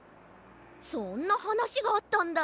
そんなはなしがあったんだ。